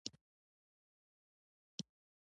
آیا ایران د سمنټو لوی تولیدونکی نه دی؟